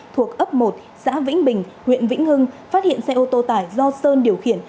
thuộc ấp một xã vĩnh bình huyện vĩnh hưng phát hiện xe ô tô tải do sơn điều khiển